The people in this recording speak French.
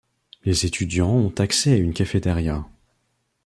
Les étudiants ont accès à une cafétéria.